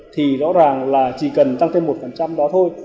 thì rõ ràng là chỉ cần tăng thêm một đó thôi